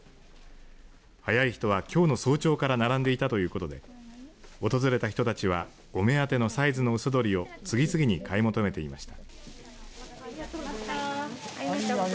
早い人は、きょうの早朝から並んでいたということで訪れた人たちはお目当てのサイズの鷽鳥を次々に買い求めていました。